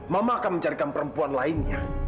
mama akan mencarikan perempuan lainnya